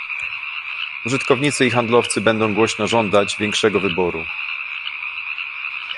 Użytkownicy i handlowcy będą głośno żądać większego wyboru